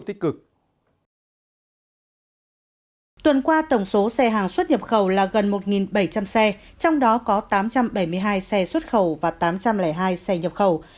tuần qua tổng số xe hàng xuất nhập khẩu là gần một bảy trăm linh xe trong đó có tám trăm bảy mươi hai xe xuất khẩu và tám trăm linh hai xe nhập khẩu